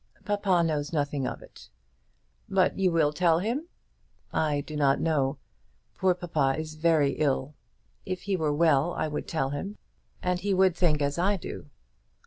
"Papa knows nothing of it." "But you will tell him?" "I do not know. Poor papa is very ill. If he were well I would tell him, and he would think as I do."